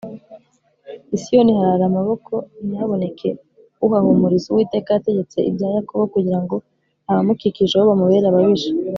I Siyoni harara amaboko ntihaboneka uhahumuriza, Uwiteka yategetse ibya Yakobo, Kugira ngo abamukikijeho bamubere ababisha